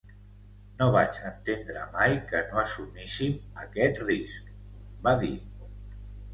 “No vaig entendre mai que no assumíssim aquest risc”, va dir.